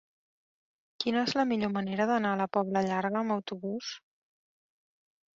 Quina és la millor manera d'anar a la Pobla Llarga amb autobús?